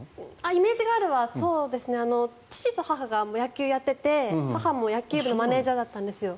イメージガールは父と母が野球をやっていて母も野球部のマネジャーだったんですよ。